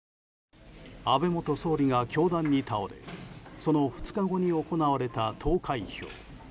安倍元総理が凶弾に倒れその２日後に行われた投開票。